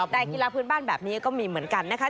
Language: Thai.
แต่กีฬาพื้นบ้านแบบนี้ก็มีเหมือนกันนะคะ